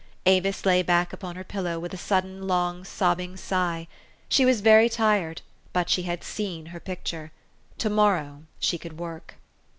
Avis lay back upon her pillow with a sudden, long, sobbing sigh. She was very tired; but she had seen her picture. To morrow she could work.